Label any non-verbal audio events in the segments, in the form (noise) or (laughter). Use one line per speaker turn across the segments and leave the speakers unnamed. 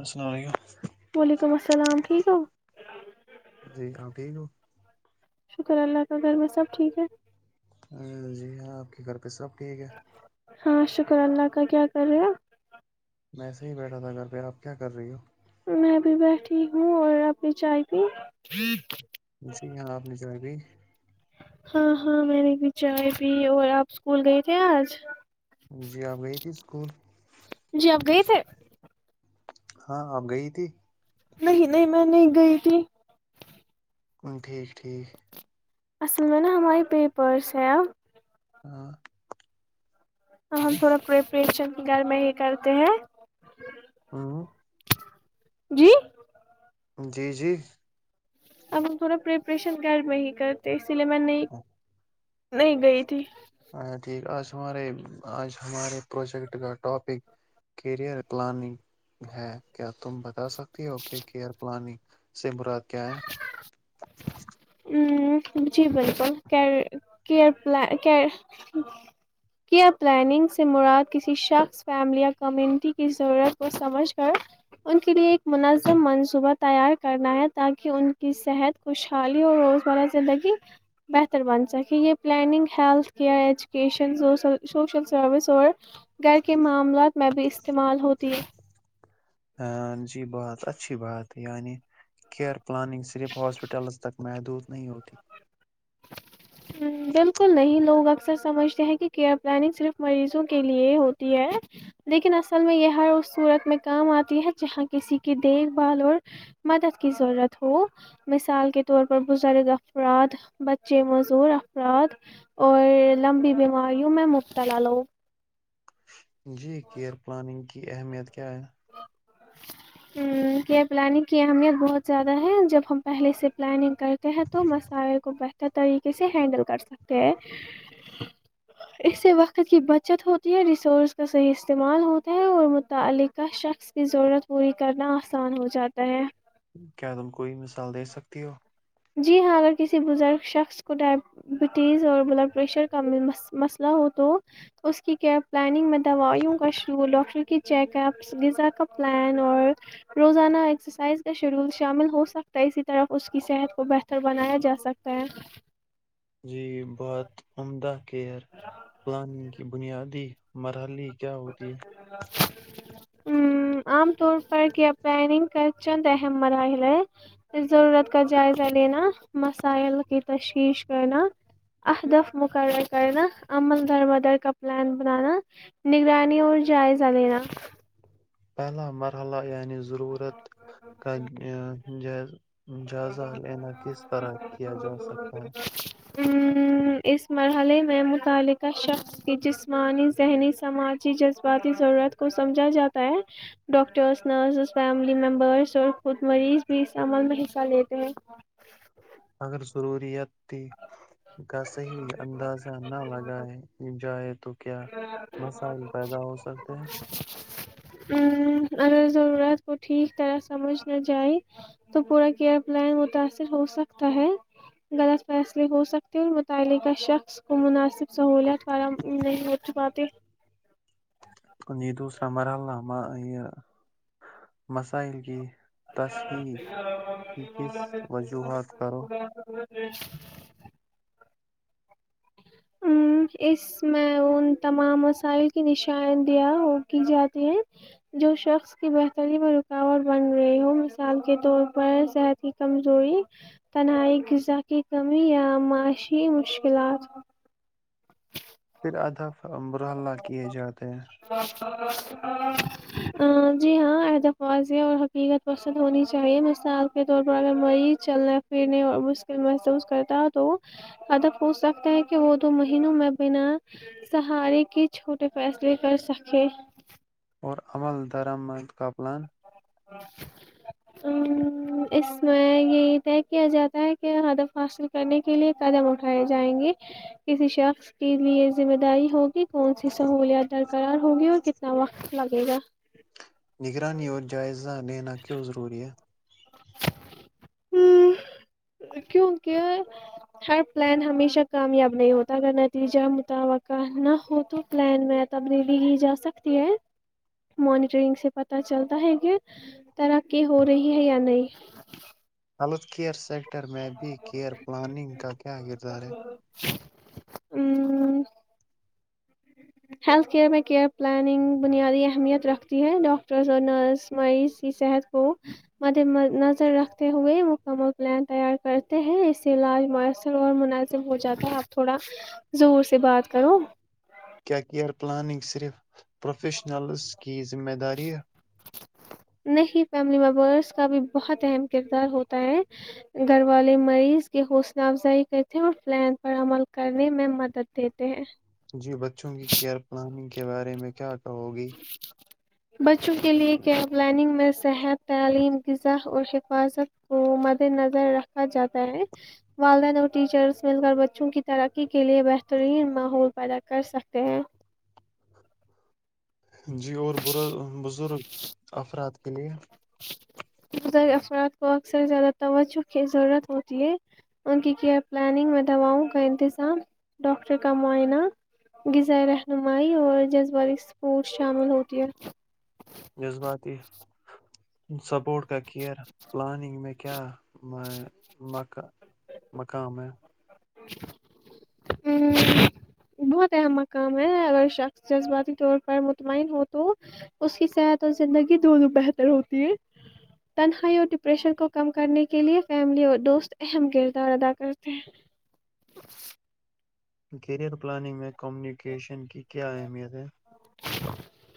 السلام علیکم
وعلیکم السلام ٹھیک ہو
جی آپ ٹھیک ہو
شکر اللہ کا گھر میں سب ٹھیک ہے
جی ہاں آپ کے گھر پے سب ٹھیک ہے
ہاں شکر اللہ کا کیا کر رہے ہو
ایسے ہی بیٹھا تھا گھر پہ آپ کیا کر رہی ہو
میں بھی بیٹھی ہوں اور اپنے چائے پی
جی ہاں آپ نے چائے پی
ہاں ہاں میں نے بھی چائے پی اور آپ اسکول گئے تھے آج
جی آپ گئی تھی اسکول
جی آپ گئے تھے
ہاں اپ گئی تھی
نہیں نہیں میں نہیں گئی تھی
ہ ٹھیک ٹھیک
اصل میں نا ہماری پےپرس ہے اب
ہاں
ہم تھوڑا پریپریشن گھر میں ہی کرتے ہیں
ہ
جی
جی جی
اب تھوڑا پرپریشن گھر میں ہی کرتے اس لیے میں نہیں نہیں گئی تھی
ہاں ٹھیک آج ہمارے آج ہمارے پروجیکٹ کا ٹاپک کیریئر پلاننگ ہے کیا تم بتا سکتی ہو کہ کیئر پلاننگ سے مراد کیا ہے
جی بالکل کیئر کیئر پلاننگ سے مراد کسی شخص فیملی یا کمیونٹی کی ضرورت کو سمجھ کر ان کے لیے ایک منظم منصوبہ تیار کرنا ہے تاکہ ان کی صحت خوشحالی روزمرہ زندگی بہتر بن سکے یہ planning health care education social service اور گھر کے معاملات میں بھی استعمال ہوتی ہے
ہاں جی بہت اچھی بات یعنی کیئر پلاننگ صرف ہاسپٹلز تک محدود نہیں ہوتی
ہ بالکل نہیں لوگ اکثر سمجھتے ہیں کہ کیئر پلاننگ صرف مریضوں کے لیے ہوتی ہے لیکن اصل میں یہ ہر اس صورت میں کام آتی ہے جہاں کسی کی دیکھ بھال اور مدد کی ضرورت ہو مثال کے طور پر بزرگ افراد بچے م زور افراد اور لمبی بیماریوں میں مبتلا لو
جی کیئر پلاننگ کی کی اہمیت کیا ہے
ہ کیئر پلاننگ کی اہمیت بہت زیادہ ہے جب ہم پہلے سے پلاننگ کرتے ہیں تو مسائے کو بہتر طریقے سے ہینڈل کر سکتے ہیں اس سے وقت کی بچت ہوتی ہے ریسورس کا صحیح استعمال ہوتا ہے اور متعلق ک شخص کی ضرورت پوری کرنا آسان ہو جاتا ہے
کیا تم کوئی مثال دے سکتی ہو
جی ہاں اگر کسی بزرگ شخص کو ڈائبٹیز اور بلڈ پریشر کا مسئلہ ہو تو اس کی کیئر پلاننگ میں دوائیوں کا شیڈول ڈاکٹر کی چیک اپس غذا کا پلان اور روزانہ ایکسرسائز کا شیڈول شامل ہو سکتا ہے اسی طرف اس کی صحت کو بہتر بنایا جا سکتا ہے
جی بہت عمدہ کیئر پلاننگ کی بنیادی مرحلی
ا عام طور پر کیا پلاننگ کا چند اہم مراحل ہے ضرورت کا جائزہ لینا مسائل کی تشخیش کرنا اہدف مقرر کرنا عمل درم در کا پلان بنانا نگرانی اور جائزہ لینا
پہلا مرحلہ یہ ضرورت کا جائزہ لینا کس طرح کیا جا سکتا ہے
اس مرحلے میں متعلقہ شخص کی جسمانی ذہنی سماجی جذباتی ضرورت کو سمجھا جاتا ہے ڈاکٹرس نرسز فیملی ممبرس اور خود مریض بھی اس عمل میں حصہ لیتے ہیں
اگر ضروریات تھی کا صحی اندازہ نہ لگائے جائے تو کیا مسائل پیدا ہو سکتے ہیں
ا اگر ضرورت کو ٹھیک طرح سمجھ نہ جائے تو پورا کیئر پلن متاثر ہو سکتا ہے غلط فیصلے ہو سکتے اور متعلقہ شخص کو مناسب سہولیات فراہم نہیں ہو مات
کو نہیں دوسرا مرح الام یہ مسائل کی تصحیق کی کس وجوہات کرو
ہی ا اس میں ان تمام مسائل کی نشاندہ کی جاتی ہے جو شخص کی بہتری میں رکاوٹ بن رہی ہو مثال کے طور پر صحت کی کمزوری تنہائی غذا کی کمی یا معاشی مشکلات
پھر ادب ابر اللہ کیے جاتے ہیں
جی ہاں ادف واضح اور حقیقت پسند ہونی چاہیے مثال کے طور پر اگر مریض چلنے پھرنے اور مشکل محسوس کرتا ہے تو ادف ہوچ سکتا ہے کہ وہ دو مہینوں میں بنا سہارے کے چھوٹے فیصلے کر سکے
اورور عمل درم مند کپلان
ا اس میں یہی طے کیا جاتا ہے کہ ادم حاصل کرنے کے لیے قدم اٹھائےائے جائیں گے کسی شخص کے لیے ذمہ داری ہوگی کون سی سہولیات درقرار ہوگی اور کتنا وقت لگے گا
نگرانی جائزہ لینا کیوں ضروری ہے
ہ کیونکہ ہر پلان ہمیشہ کامیاب نہیں ہوتا اگر نتیجہ متوقع نہ ہو تو پلان میں تبدیلی ہی جا سکتی ہے مانیٹرنگ سے پتہ چلتا ہے کہ ترقی ہو رہی ہے یا نہیں
ہلو کیئر سیکٹر میں بی کیئر پلاننگ کا کیا کردار ہے
ہوں ہیلتھ کیئر میں کیئر پلاننگ بنیادی اہمیت رکھتی ہے ڈاکٹرس اور نرس مریض کی صحت کو مد م نظر رکھتے ہوئے مکمل پلان تیار کرتے ہیں اس سے علاج مؤثر اور مناسب ہو جاتا ہے آپ تھوڑا زور سے بات کرو
کیا کیئر پلاننگ صرف پروفیشنلز کی ذمہ داری ہے
نہیں فیملی ممبرس کا بھی بہت اہم کردار ہوتا ہے گھر والے مریض کی حوصلہ افزائی کرتے ہیں اور فلان پر عمل کرنے میں مدد دیتے ہیں
جی بچوں کیئر پلاننگ کے بارے میں کیاٹ
ج (inaudible) بچوں کے لئے کیم پلاننگ میں صحت تعلیم غذا اور حفاظت کو مد نظر رکھا جاتا ہے والدین اور ٹیچرز مل کر بچوں کی ترقی کیلئے بہترین ماحول پیدا کرسکتے ہیں
جی اور برا بزرگ افراد کے لیے
مزر افراد کو اکثر زیادہ توجہ کی ضرورت ہوتی ہے ان کی کیئر پلاننگ میں دواؤں کا انتظام ڈاکٹر کا معائنہ غذائے رہنمائی اور جذباتی سپورٹس شامل ہوتی ہے
جذباتی سپورٹ کا کیئر پلاننگ میں کیا مک مقام ہے
ج (inaudible) بہت اہم مقام ہے اگر شخص جذباتی طور پر مطمئن ہو تو اس کی صحت اور زندگی دونوں بہتر ہوتی ہے تنہائی اور ڈپریشن کو کم کرنے کے لئے فیملی اور دوست اہم کردار ادا کرتے ہیں
کیریئر پلاننگ میں کمیونیکیشن کی کیا اہمیت ہے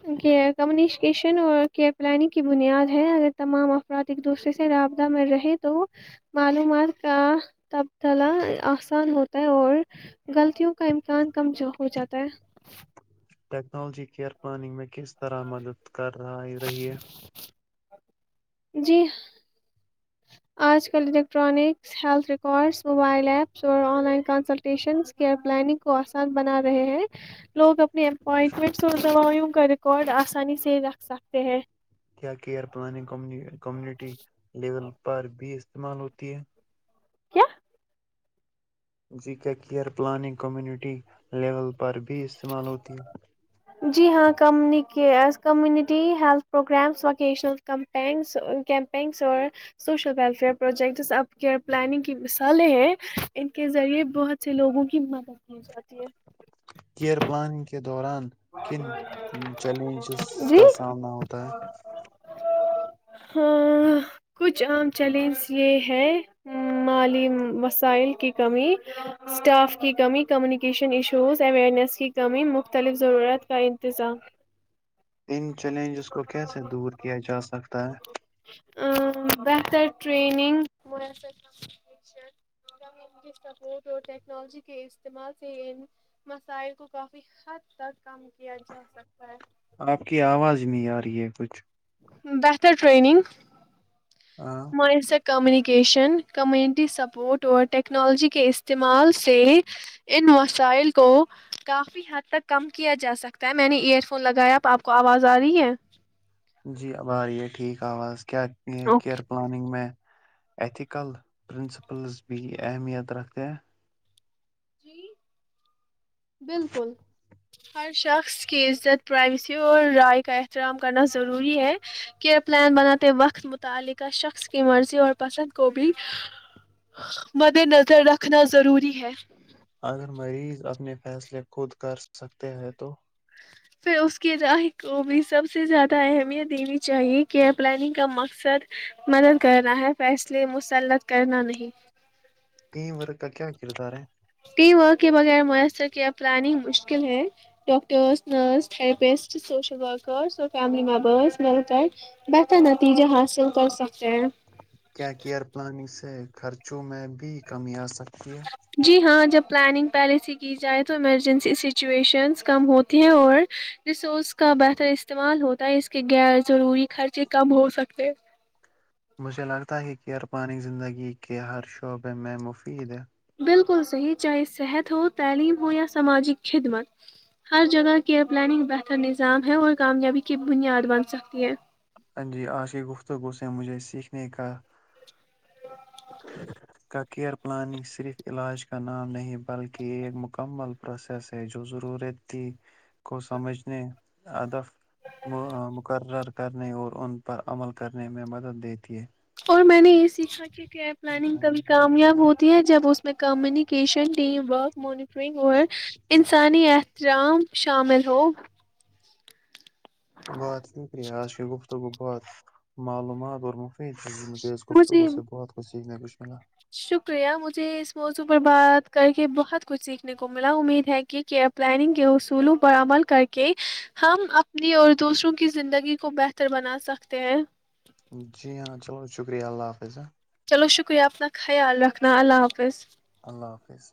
ئ کمیونکیشن اور کیئر پلانگ کی بنیاد ہے اگر تمام افراد ایک دوسرے سے رابطہ میں رہے تو معلومات کا تبدلہ آسان ہوتا ہے اور غلطوں کا امکان کم ہو جاتا ہے ج
ٹیکنالجی کیئ پلاننگ میں کس طرا مدد کر رہا رہیے
جی آج کل electronics health records mobile apps اور آن لائن کنسلٹیشنئر پلنگ کو آسان بنا رہے ہیں لوگ اپٹمٹ سوا کر کڈ آسانی سے رکھ سکتے ہیں
کیا کیئر پلانگ کمیونٹی لیول پر بیس استعمال ہوتی ہے
کیا
جی کا کیئر پلاننگ کمیونٹی لیول پر بھی استعمال ہوتی ہے
جی ہاں ک کمیونٹی ہیلھ پروگرامس وکیشنلمپینس کیمپینگس اور سوشل ویلفیئر پروجیکٹس اب کیئر پلاننگ کی مثالیں ہیں ان کے ذریعے بہت سے لوگوں کی مدد کی جاتی ہے
کیئر پلانگ کیا دوران کن چیلنجز
ہے جی
کا سامنا ہوتا ہے
ہاں کچھ عام چیلنج یہ ہے مالی وسائل کی کمی اسٹاف کی کمی کمیونیکیشن ایشوز اوئرنیس کی کمی مختلف ضرورت کا انتظام
ان چیلنجز کو کیسے دور کیا جاسکتا ہے
بہتر ٹریننگ میسر کونیکیشن کمیون سپوٹ اور ٹیکنالوجی کے استعمال سے ان مسائل کو کافی حد تک کم کیا جا سکتا ہے
آپ کی آواز نہیں آ رہی ہے کچھ
بہتر ٹریننگ
ہاں
مش (inaudible) کمیونیکیشن کمیونٹی سپورٹ اور ٹیکنالوجی کے استعمال سے ان وسائل کو کافی حد تک کم کیا جا سکتا ہے میں نے ایئر فون لگایا اب آپ کو آواز آ رہی ہے
جی اب آ رہ ہے ٹھیک کاوااز کیا کیئر پلاننگ میں ایتھیکل پرنسپلز بھی اہمیت رکھتے ہیں
جی بالکل ہر شخص کی عزت پرائیویسی اور رائے کا احترام کرنا ضروری ہے کیئر پلان بناتے وقت متعلقہ شخص کی مرضی اور پسند کو بھی مد نظر رکھنا ضروری ہے
اگر مریض اپنے فیصلے خود کر سکتے ہیں تو
پھر اس کی راہ کو بھی سب سے زیادہ اہمیت دینی چاہیے کہ ایئر پلاننگ کا مقصد مدد کرنا ہے فیصلے مسلط کرنا نہیں
ورک کیا ہ کہرتاار
ٹیم ورک کے بغیر میسر کیا پلاننگ مشکل ہے ڈاکٹرس نرسرپسٹ سوشل ورکرس اور فیملی ممبرس مل کر بہتر نتیجے حاصل کر سک
کیا کیائر پلان اس تو خرچوں میں بھی کمی آ ستی ہے
جی ہاں جب پلاننگ پہلے سے کی جائے تو ایمرجنسی سچویشنس کم ہوتی ہیں اور ریسورس کا بہتر استعمال ہوتا ہے اس کے غیر ضروری خرچے کم ہو سکتے
مجھے لگتا ہے کہ ارپانی زندگی کے ہر شعبے میں مفید ہے
بالکل صحیح چاہے صحت ہو تعلیم ہو یا سماجک خدمت ہر جگہ کیئر پلاننگ بہتر نظام ہے اور کامیابی کی بنیاد بن سکتی ہے
جی عاشق گفتگو سے مجھے سیکھنے کا کا کیئر پلاننگ صرف علاج کا نام نہیں بلکہ ایک مکمل پروسیس ہے جو ضرورتتی کو سمجھنے ادف م مقرر نے اور ان پر عمل کرنے میں مدد دیتی ہے
اور میں نے یہ سیکھا کہ کیار پلاننگ کبھی کامیاب ہوتی ہے جب اس میں کمیونیکیشن ٹیم ورک موانیٹرنگ اور انسانی احترام شامل ہ
بات کری ہے آج کی گفتگو بت معلومات اورم نہیں مجھے اس گفتگو
مجھے
سے بہ خوی ٹھیک کھلا
شکریہ مجھے اس موضوع پر بات کر کے بہت کچھ سیکھنے کو ملا امید ہے کہ کیئر پلاننگ کے اصولوں پر عمل کر کے ہم اپنی اور دوسروں کی زندگی کو بہتر بنا سکتے ہیں
جی ہاں چلو شکریہ اللہ حافظ ہیں
چلو شکریہ اپنا خیال رکھنا اللہ حافظ
اللہ حافظ